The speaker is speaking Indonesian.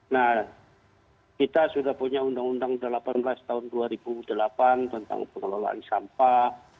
nah kita sudah punya undang undang delapan belas tahun dua ribu delapan tentang pengelolaan sampah